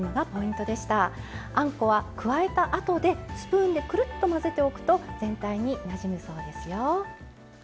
あんこは加えたあとでスプーンでくるっと混ぜておくと全体になじむそうですよ。